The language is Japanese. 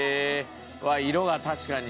あっ色が確かに。